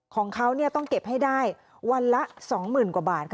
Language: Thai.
ของเขาต้องเก็บให้ได้วันละ๒๐๐๐กว่าบาท